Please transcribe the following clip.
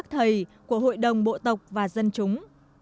thầy của hội đồng bộ tộc và dân chúng